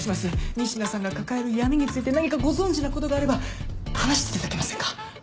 仁科さんが抱える闇について何かご存じなことがあれば話していただけませんか？